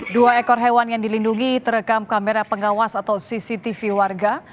dua ekor hewan yang dilindungi terekam kamera pengawas atau cctv warga